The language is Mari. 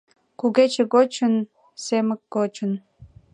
Кугече гочын, Семык гочын